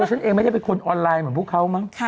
ฉันเองไม่ได้เป็นคนออนไลน์เหมือนพวกเขามั้ง